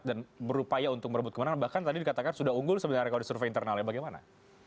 dan berupaya untuk merebut kemenangan bahkan tadi dikatakan sudah unggul sebenarnya kalau di survei internal ya bagaimana